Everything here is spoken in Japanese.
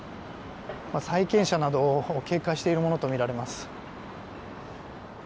債権者などを警戒しているものとみられます。